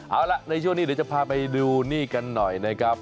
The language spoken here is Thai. เอาล่ะในช่วงนี้เดี๋ยวจะพาไปดูนี่กันหน่อยนะครับ